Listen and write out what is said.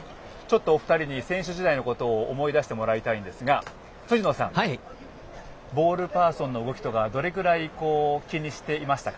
お二人に選手時代のことを思い出してもらいたいんですが辻野さん、ボールパーソンの動きとか、どれくらい気にしていましたか？